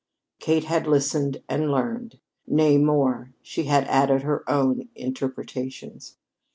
Kate had listened and learned. Nay, more, she had added her own interpretations.